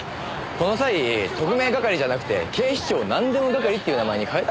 この際特命係じゃなくて警視庁なんでも係っていう名前に変えたらどうですか？